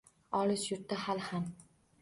Olis yurtda hali ham